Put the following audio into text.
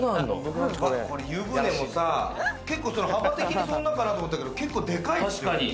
湯船もさ、結構幅的にそんなかなと思ったけれども、結構でかいですよ。